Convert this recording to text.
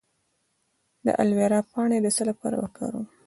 د الوویرا پاڼې د څه لپاره وکاروم؟